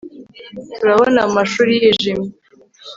Turabona mumashuri yijimye